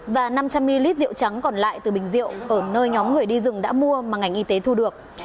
và năm trăm linh ml rượu trắng còn lại từ bình rượu ở nơi nhóm người đi rừng đã mua mà ngành y tế thu được